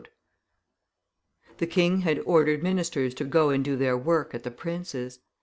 The king had ordered ministers to go and do their work at the prince's.